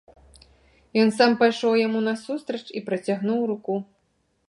Ён сам пайшоў яму насустрач і працягнуў руку.